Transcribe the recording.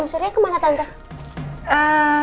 om surya ke mana tante